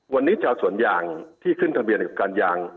วันนี้ชาวสวนยางที่ขึ้นทะเบียนกับการยาง